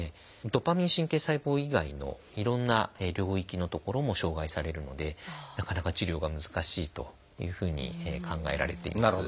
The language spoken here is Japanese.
ドパミン神経細胞以外のいろんな領域の所も障害されるのでなかなか治療が難しいというふうに考えられています。